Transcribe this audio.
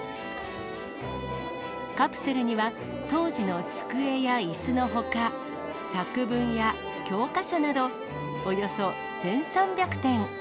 カプセルには当時の机やいすのほか、作文や教科書などおよそ１３００点。